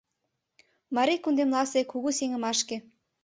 Марий кундемласе кугу сеҥымашке